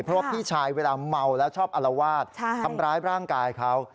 เพราะว่าพี่ชายเวลาเมาแล้วชอบอลวาดทำร้ายร่างกายเขา